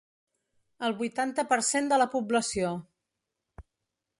El vuitanta per cent de la població.